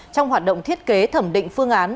trong hoạt động thiết kế thẩm định phương án